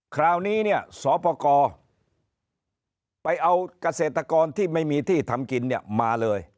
คราวนี้เนี่ยสปกรไปเอาเกษตรกรที่ไม่มีที่ทำกินเนี่ยมาเลย